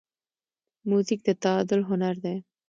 موزیک د تعادل هنر دی.